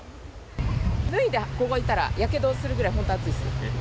脱いでここいたら、やけどするぐらい、本当熱いです。